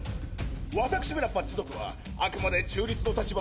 私めらパッチ族はあくまで中立の立場